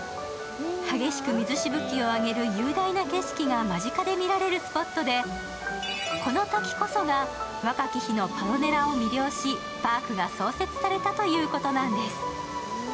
激しく水しぶきを上げる雄大な景色が間近で見られるスポットでこのときこそが若き日のパロネラを魅了しパークが創設されたということなんです。